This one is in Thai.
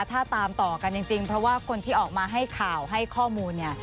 ถ้าตามต่อกันจริงเพราะว่าคนที่ออกมาให้ข่าวให้ข้อมูลเนี่ย